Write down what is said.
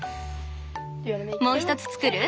もう一つ作る？